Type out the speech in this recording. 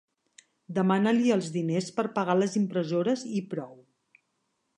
Demana-li els diners per pagar les impressores i prou.